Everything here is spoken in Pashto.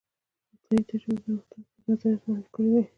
عطايي د ژبې د پرمختګ لپاره نظریات وړاندې کړي دي.